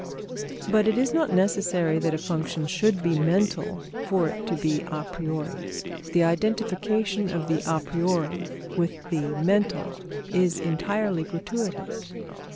But it is not necessary that a function should be mental for it to be a priori. The identification of the a priori with the mental is entirely gratuitous.